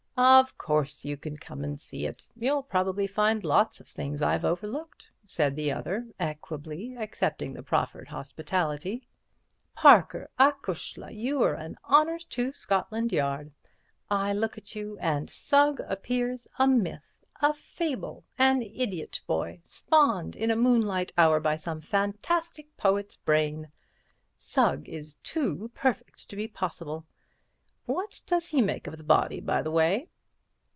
"Of course you can come and see it—you'll probably find lots of things I've overlooked," said the other, equably, accepting the proffered hospitality. "Parker, acushla, you're an honor to Scotland Yard. I look at you, and Sugg appears a myth, a fable, an idiot boy, spawned in a moonlight hour by some fantastic poet's brain. Sugg is too perfect to be possible. What does he make of the body, by the way?"